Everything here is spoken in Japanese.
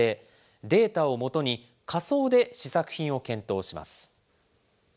データを基に、仮想で試作品を検討します。